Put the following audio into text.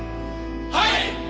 はい！